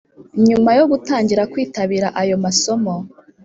nyuma yo gutangira kwitabira ayo masomo